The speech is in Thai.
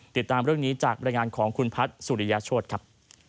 ติดตามเรื่องนี้จากบรรยายงานของคุณพัฒน์สุริยโชธครับ